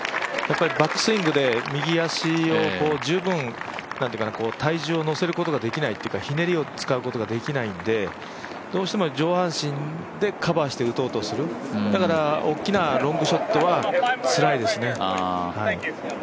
バックスイングで右足を十分、体重を乗せることができないというかひねりを使うことができないんでどうしても上半身でカバーして打とうとする、だから大きなロングショットはつらいですね。